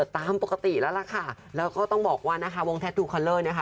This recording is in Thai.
ติดโควิดยกวงเลยค่ะ